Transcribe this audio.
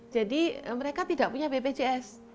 jadi mereka tidak punya beban untuk menikahnya